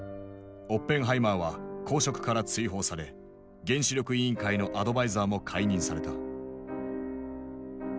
オッペンハイマーは公職から追放され原子力委員会のアドバイザーも解任された。